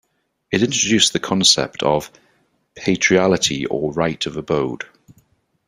It introduced the concept of "patriality or right of abode".